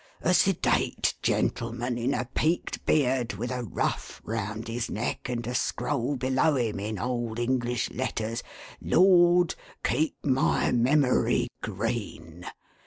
— A sedate gentleman in a peaked beard, with a ruff round his neck, and a scroll below him, in old English letters, i Lord ! keep my memory green